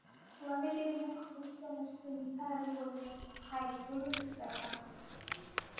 তোয়ালে দিয়ে মুখ মুছতে-মুছতে নিসার আলি বললেন, ভাই, বলুন কী ব্যাপার।